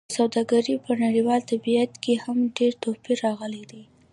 د سوداګرۍ په نړیوال طبیعت کې هم ډېر توپیر راغلی دی.